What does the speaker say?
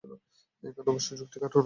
এখানে অবশ্য যুক্তি খাটে না।